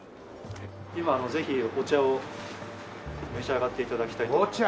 今ぜひお茶を召し上がって頂きたいと思います。